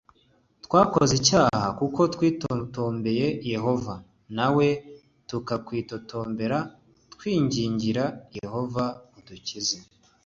twakoze icyaha l kuko twitotombeye Yehova nawe tukakwitotombera Twingingire Yehova adukize izi nzoka m Mose